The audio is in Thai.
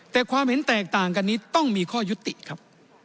แต่ความเห็นแตกต่างกันนี้ต้องมีข้อยุติครับ